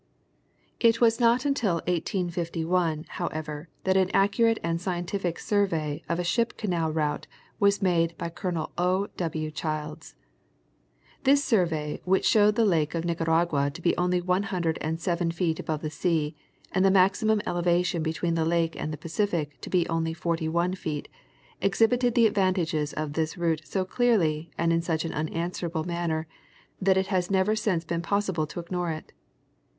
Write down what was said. It was not until 1851, however, that an accurate and scientific survey of a ship canal'route was made by Col. O. W. Childs. This survey which showed the lake of Nicaragua to be only one hundred and seven feet above the sea, and the maximum ele vation between the lake and the Pacific to be only forty one feet, exhibited the advantages of this route so clearly and in such an unanswerable manner that it has never since been possible to ignore it.